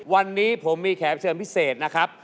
วันนี้ผมมีแขกเชิญพิเศษนะครับ